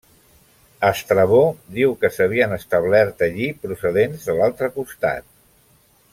Estrabó diu que s'havien establert allí procedents de l'altre costat.